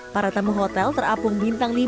para tamu hotel terapung bintang lima